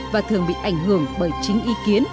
và thường bị ảnh hưởng bởi chính ý kiến